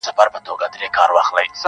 زۀ خپله خان یمه خان څۀ ته وایي ,